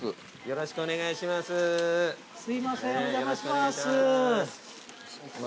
よろしくお願いします。